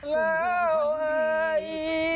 แล้วเอ๊ย